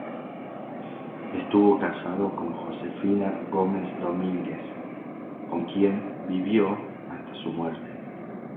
Estuvo casado con Josefina Gómez Domínguez, con quien vivió hasta su muerte.